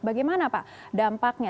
bagaimana pak dampaknya